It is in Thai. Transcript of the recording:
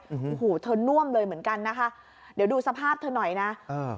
โอ้โหเธอน่วมเลยเหมือนกันนะคะเดี๋ยวดูสภาพเธอหน่อยนะเออ